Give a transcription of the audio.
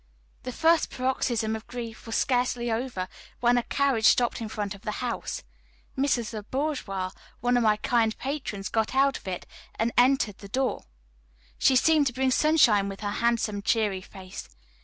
The first paroxysm of grief was scarcely over, when a carriage stopped in front of the house; Mrs. Le Bourgois, one of my kind patrons, got out of it and entered the door. She seemed to bring sunshine with her handsome cheery face.